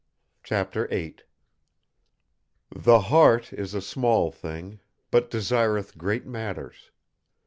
CHAPTER VIII "The heart is a small thing, but desireth great matters.